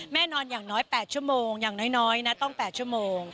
นอนอย่างน้อย๘ชั่วโมงอย่างน้อยนะต้อง๘ชั่วโมง